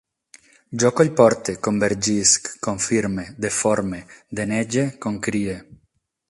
Jo collporte, convergisc, confirme, deforme, denege, concrie